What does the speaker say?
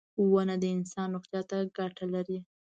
• ونه د انسان روغتیا ته ګټه لري.